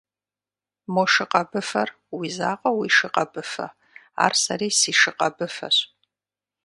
Мо шы къэбыфэр уи закъуэ уи шы къэбыфэ, ар сэри си шы къэбыфэщ.